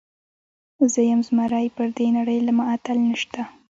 زه یم زمری، پر دې نړۍ له ما اتل نسته.